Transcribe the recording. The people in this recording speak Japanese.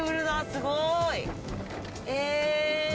すごい！へえ！